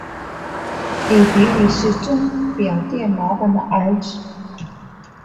李弼雨是钟表店老板的儿子。